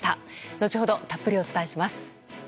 後ほどたっぷりお伝えします。